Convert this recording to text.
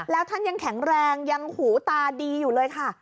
แล้วท่านยังแข็งแรงยังหูตาดีอยู่เลยค่ะ